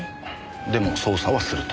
でも捜査はすると。